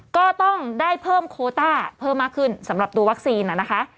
ก็ต้องได้เพิ่มโคต้าเพิ่มมากขึ้นสำหรับตัววัคซีนนะคะ